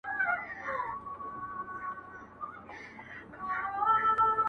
• پوره اته دانې سمعان ويلي كړل.